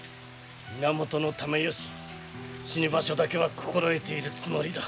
源爲義死に場所だけは心得ているつもりだ。